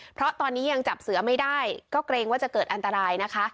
เพราะตอนนี้ยังจับเสือไม่ได้ก็เกรงว่าจะเกิดอันตรายนะคะ